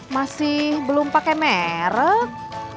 masih belum pakai merek